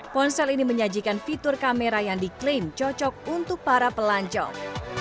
ponsel ini menyajikan fitur kamera yang diklaim cocok untuk para pelancong